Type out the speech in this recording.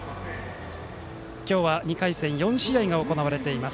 今日は２回戦４試合が行われています。